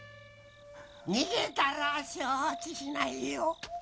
「逃げたら承知しないよ」